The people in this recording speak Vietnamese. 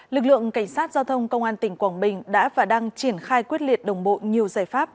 lực lượng cảnh sát giao thông công an tỉnh quảng bình đã và đang triển khai quyết liệt đồng bộ nhiều giải pháp